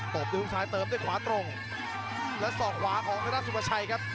ตบดูซ้ายเติมได้ขวาตรงแล้วสอบขวาของในด้านสุประชัยครับ